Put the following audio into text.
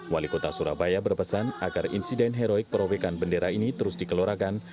wali kota surabaya berpesan agar insiden heroik perobekan bendera ini terus dikelolakan